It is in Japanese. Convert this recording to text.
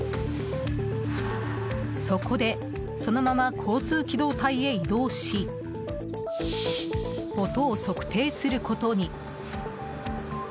そこで、そのまま交通機動隊へ移動し音を測定することに。